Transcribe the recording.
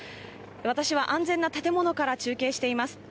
私は安全な建物から中継しています。